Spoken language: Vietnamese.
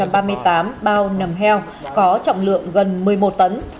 năm trăm ba mươi tám bao nầm heo có trọng lượng gần một mươi một tấn